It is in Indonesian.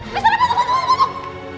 masuk masuk masuk masuk